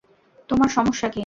তোমার সমস্যা কী?